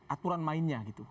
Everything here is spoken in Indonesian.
aturan mainnya gitu